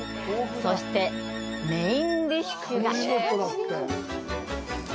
そして、メインディッシュが。